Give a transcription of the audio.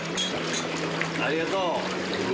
ありがとう！